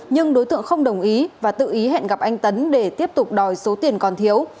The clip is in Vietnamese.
nhưng đối tượng không đồng ý và tự ý hẹn gặp anh tấn để tiếp tục đòi số tiền còn thiếu